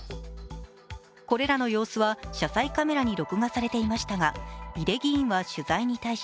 これらの様子は車載カメラに録画されていましたが井手議員は取材に対し